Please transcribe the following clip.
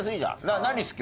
何好き？